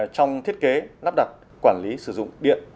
trong thiết kế lắp đặt quản lý sử dụng điện